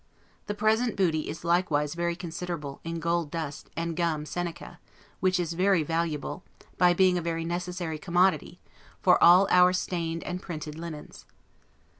The present booty is likewise very considerable, in gold dust, and gum Seneca; which is very valuable, by being a very necessary commodity, for all our stained and printed linens.